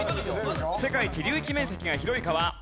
世界一流域面積が広い川。